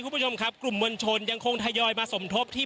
คุณผู้ชมครับกลุ่มมวลชนยังคงทยอยมาสมทบที่